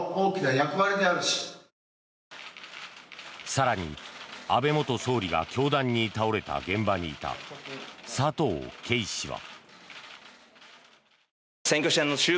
更に安倍元総理が凶弾に倒れた現場にいた佐藤啓氏は。